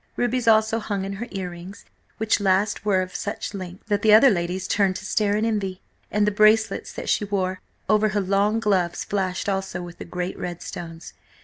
Rubies also hung in her earrings, which last were of such length that the other ladies turned to stare in envy, and the bracelets that she wore over her long gloves flashed also with the great red stones.